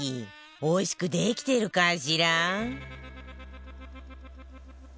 おいしくできてるかしら？